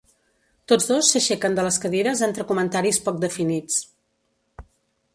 Tots dos s'aixequen de les cadires entre comentaris poc definits.